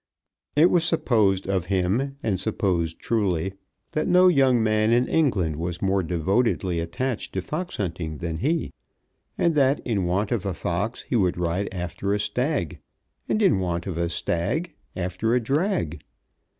It was supposed of him, and supposed truly, that no young man in England was more devotedly attached to fox hunting than he, and that in want of a fox he would ride after a stag, and in want of a stag after a drag.